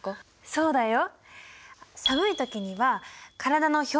そうだよ。